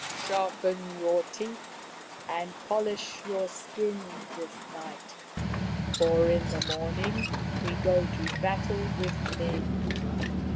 Sharpen your teeth and polish your skins this night, for in the morning we go to battle with men.